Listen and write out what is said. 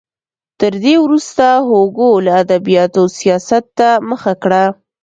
تر دې وروسته هوګو له ادبیاتو سیاست ته مخه کړه.